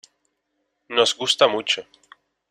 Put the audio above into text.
Nos gusta mucho.